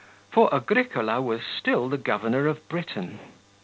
40 For Agricola was still the governor of Britain.